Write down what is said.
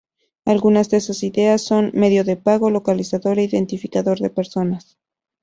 Algunas de esas ideas son: medio de pago, localizador e identificador de personas.